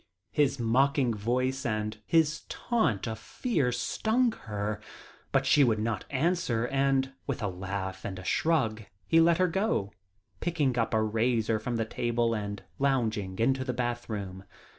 His mocking voice and his taunt of fear stung her, but she would not answer and, with a laugh and a shrug, he lot her go, picking up a razor from the table and lounging into the bathroom.